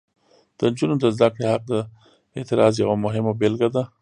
د نجونو د زده کړې حق د اعتراض یوه مهمه بیلګه ده.